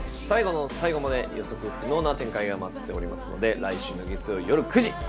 最後の最後まで予測不能な展開が待っておりますので来週の月曜夜９時。